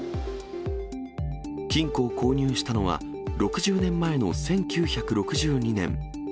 金庫を購入したのは６０年前の１９６２年。